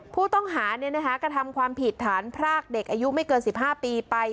ผู้ต้องหากระทำความผิดฐานพรากเด็กอายุไม่เกิน๑๕ปีไป